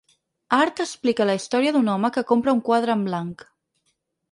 Art explica la història d’un home que compra un quadre en blanc.